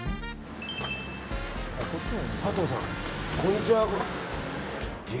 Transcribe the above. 佐藤さん、こんにちは。